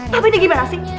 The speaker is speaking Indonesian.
tapi ini gimana sih